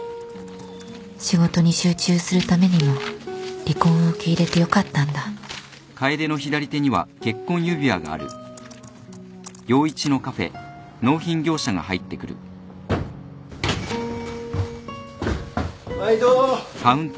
仕事に集中するためにも離婚を受け入れてよかったんだ・まいど。